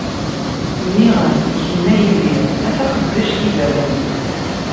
Nniɣ-am, kemm a yelli, a taxeddact n yibawen.